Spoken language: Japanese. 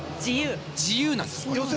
自由なんです。